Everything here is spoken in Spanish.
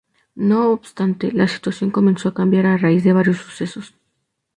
No obstante, la situación comenzó a cambiar a raíz de varios sucesos.